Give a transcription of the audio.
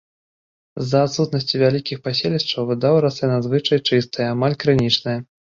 З-за адсутнасці вялікіх паселішчаў вада ў рацэ надзвычай чыстая, амаль крынічная.